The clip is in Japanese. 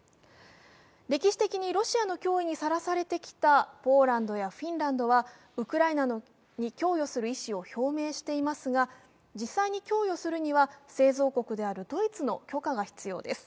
歴史的にロシアの脅威にさらされてきたポーランドやフィンランドは、ウクライナに供与する意思を表明していますが、実際に供与するには製造国であるドイツの許可が必要です。